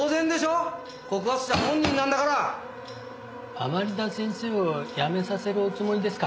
甘利田先生を辞めさせるおつもりですか？